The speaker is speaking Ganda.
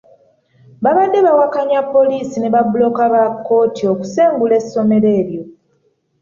Baabadde bawakanya poliisi ne babbulooka ba kkooti okusengula essomero eryo.